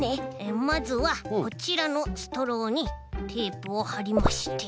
まずはこちらのストローにテープをはりまして。